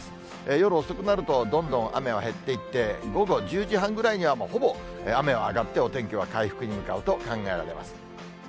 夜遅くなると、どんどん雨が減っていって、午後１０時半ぐらいには、もうほぼ雨は上がって、お天気は回復に向かうと考えられます。